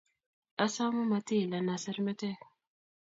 Asome mati ilena sermetek